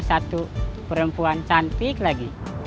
satu perempuan cantik lagi